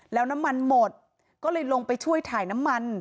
แล้วน้ำมันหมดก็เลยลงไปช่วยถ่ายน้ำมัน